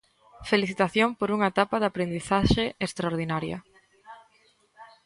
Felicitación por unha etapa de aprendizaxe extraordinaria.